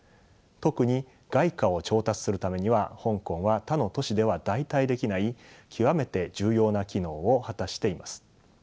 特に外貨を調達するためには香港は他の都市では代替できない極めて重要な機能を果たしています。